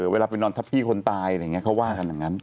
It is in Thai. เวลาไปนอนทับพี่คนตายอะไรอย่างนี้เขาว่ากันอย่างนั้น